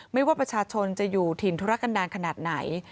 ไม่ว่าประชาชนจะอยู่ถิ่นธุรกันดาลขนาดไหน